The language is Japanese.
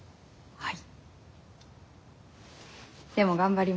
はい！